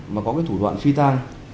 mà có thủ đoạn phi tan